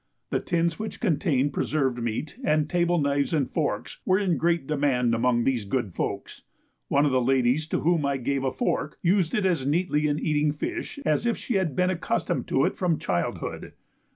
The tins which contained preserved meat, and table knives and forks, were in great demand among these good folks. One of the ladies to whom I gave a fork, used it as neatly in eating fish as if she had been accustomed to it from childhood.